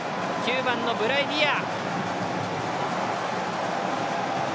９番のブライ・ディア。